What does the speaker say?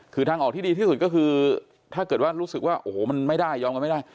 คือทางออกที่ดีที่สุดก็คือถ้าเกิดว่ารู้สึกว่าโอ้โหมันไม่ได้ยอมกันไม่ได้